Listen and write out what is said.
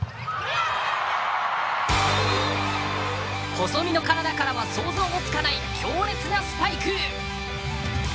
細身の体からは想像もつかない強烈なスパイク。